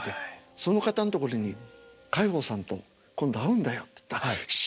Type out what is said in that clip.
その方のところに「海宝さんと今度会うんだよ」って言ったら「師匠！